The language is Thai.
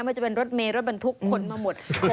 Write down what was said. จะเป็นรถเมรถบรรทุกขนมาหมด